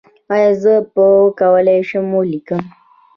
ایا زه به وکولی شم ولیکم؟